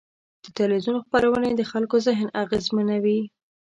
د تلویزیون خپرونې د خلکو ذهن اغېزمنوي.